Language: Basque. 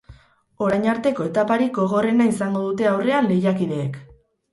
Orain arteko etaparik gogorrena izango dute aurrean lehiakideek.